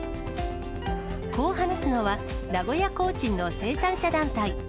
こう話すのは、名古屋コーチンの生産者団体。